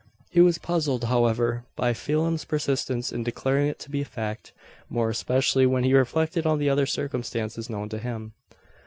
He was puzzled, however, by Phelim's persistence in declaring it to be a fact more especially when he reflected on the other circumstances known to him.